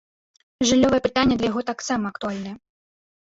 Жыллёвае пытанне для яго таксама актуальнае.